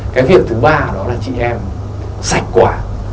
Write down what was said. cái việc thứ ba đó là chị em sạch quả